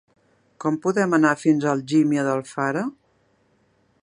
Com podem anar fins a Algímia d'Alfara?